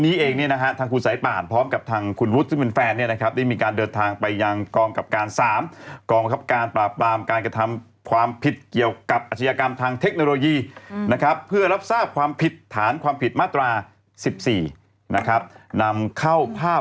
อีเหมียเรียกน่ะรบไปมา